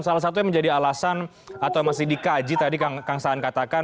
salah satunya menjadi alasan atau masih dikaji tadi kang saan katakan